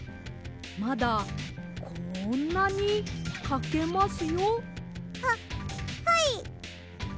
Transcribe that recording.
まだこんなにかけますよ。ははい！